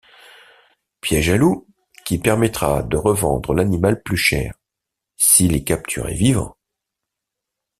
Piège à loups, qui permettra de revendre l’animal plus cher, s’il est capturé vivant.